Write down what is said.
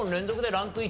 ランク１。